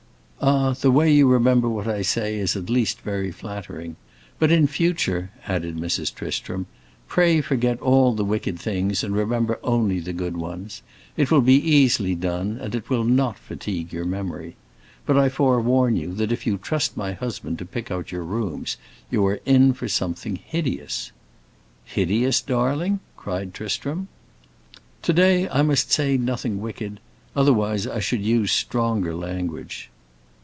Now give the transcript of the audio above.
"Ah, the way you remember what I say is at least very flattering. But in future," added Mrs. Tristram, "pray forget all the wicked things and remember only the good ones. It will be easily done, and it will not fatigue your memory. But I forewarn you that if you trust my husband to pick out your rooms, you are in for something hideous." "Hideous, darling?" cried Tristram. "To day I must say nothing wicked; otherwise I should use stronger language."